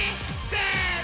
せの！